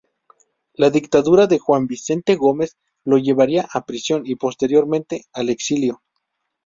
La dictadura de Juan Vicente Gómez lo llevaría a prisión y posteriormente al exilio.